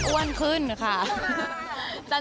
้วนขึ้นค่ะ